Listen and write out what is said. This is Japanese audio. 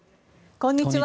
こんにちは。